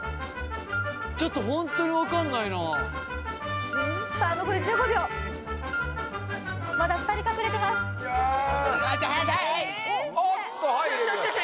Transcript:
ちょっとホントに分かんないなさあ残り１５秒まだ２人隠れてますじゃ